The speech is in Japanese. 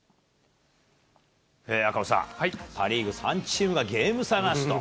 赤星さん、パ・リーグ３チームがゲーム差なしと。